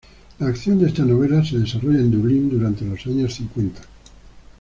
La acción de esta novela se desarrolla en Dublín durante los años cincuenta.